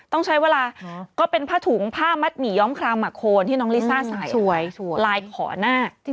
ต้องใช้แวลาก็เป็นผ้าถุงผ้ามัดหนีย้องคลามมะโคนที่น้องลิซ่าไส่